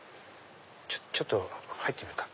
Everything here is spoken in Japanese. ちょっと入ってみようか。